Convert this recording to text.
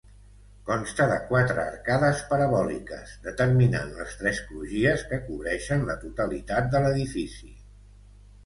Consta de quatre arcades parabòliques, determinant les tres crugies que cobreixen la totalitat de l'edifici.